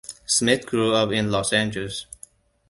Smith grew up in Los Angeles.